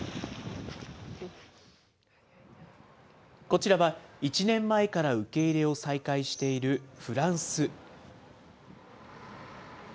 こちらは、１年前から受け入れを再開しているフランス。